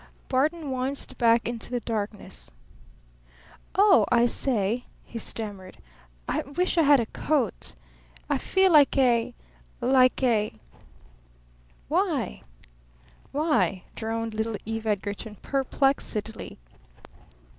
Barton winced back into the darkness. "Oh, I say," he stammered. "I wish I had a coat! I feel like a like a " "Why why?" droned little Eve Edgarton perplexedly.